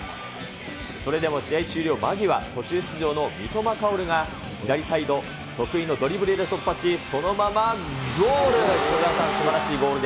それでも試合終了間際、途中出場の三笘薫が左サイド、得意のドリブルで突破し、そのままゴール。